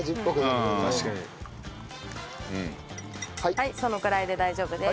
はいそのくらいで大丈夫です。